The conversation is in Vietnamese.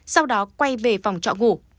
sau đó quay về phòng trọ ngủ